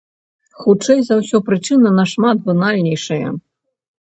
Хутчэй за ўсё, прычына нашмат банальнейшая.